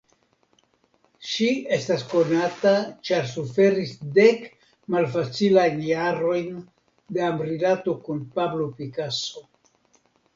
Ŝi estas konata ĉar suferis dek malfacilajn jarojn de amrilato kun Pablo Picasso.